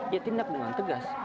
ya tindak dengan tegas